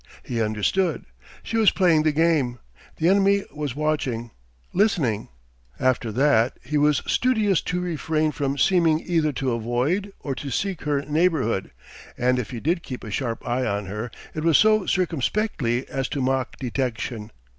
He understood. She was playing the game. The enemy was watching, listening. After that he was studious to refrain from seeming either to avoid or to seek her neighbourhood; and if he did keep a sharp eye on her, it was so circumspectly as to mock detection.